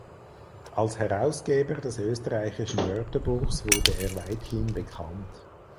Als Herausgeber des Österreichischen Wörterbuchs wurde er weithin bekannt.